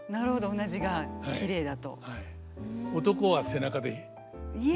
うなじがきれいだと。